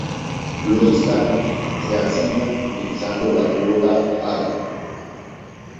Los escaños se asignan utilizando la cuota Hare.